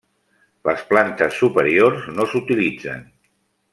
Les plantes superiors no s'utilitzen.